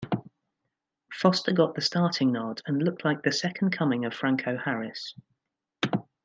Foster got the starting nod and looked like the second coming of Franco Harris.